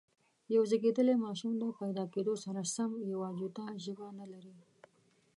یو زېږيدلی ماشوم د پیدا کېدو سره سم یوه جوته ژبه نه لري.